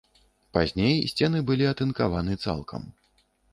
Пазней сцены былі атынкаваны цалкам.